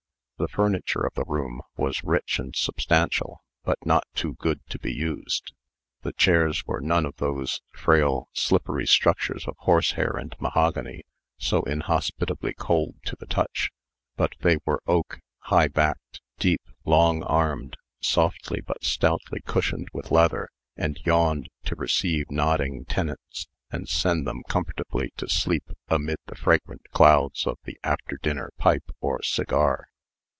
The furniture of the room was rich and substantial, but not too good to be used. The chairs were none of those frail, slippery structures of horsehair and mahogany so inhospitably cold to the touch; but they were oak, high backed, deep, long armed, softly but stoutly cushioned with leather, and yawned to receive nodding tenants and send them comfortably to sleep amid the fragrant clouds of the after dinner pipe or cigar.